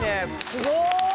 すごーい！